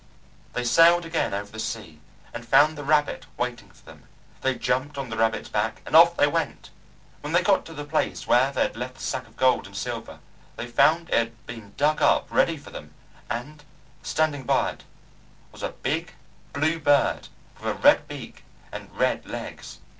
They sailed again over the sea and found the rabbit waiting for them. They jumped on the rabbit's back and off they went. When they got to the place where they had left the sack of gold and silver they found it had been dug up ready for them, and standing by it was a big blue bird with a red beak and red legs.